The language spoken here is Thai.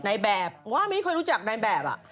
นายแบบวะไม่ทุกคนรู้จักนายแบบ